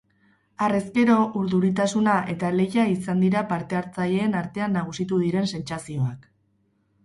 Harrezkero, urduritasuna eta lehia izan dira parte-hartzaileen artean nagusitu diren sentsazioak.